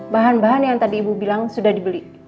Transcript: bahan bahan yang tadi ibu bilang sudah dibeli